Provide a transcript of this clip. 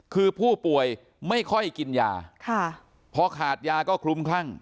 คือผู้ป่วยไม่ค่อยกินยาพอขาดยาก็คลุมคลั่ง